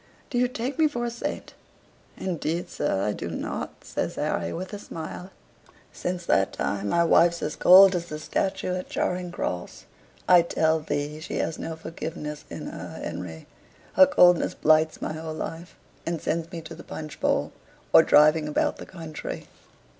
Do you take me for a saint?" "Indeed, sir, I do not," says Harry, with a smile. "Since that time my wife's as cold as the statue at Charing Cross. I tell thee she has no forgiveness in her, Henry. Her coldness blights my whole life, and sends me to the punch bowl, or driving about the country.